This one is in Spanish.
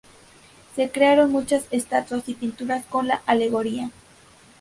Se crearon muchas estatuas y pinturas con la Alegoría.